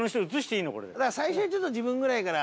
最初はちょっと自分ぐらいから。